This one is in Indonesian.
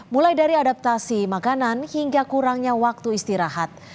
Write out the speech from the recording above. mulai dari adaptasi makanan hingga kurangnya waktu istirahat